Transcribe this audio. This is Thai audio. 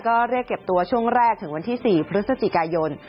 ก็เรียกเก็บตัวช่วงแรกถึงวันที่๔พฤศจิกายน